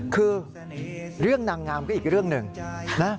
คือเรื่องนางงามก็อีกเรื่องหนึ่งนะ